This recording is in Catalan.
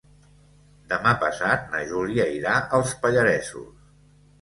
Demà passat na Júlia irà als Pallaresos.